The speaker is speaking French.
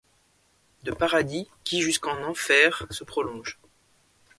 De paradis qui jusqu’en enfer se prolonge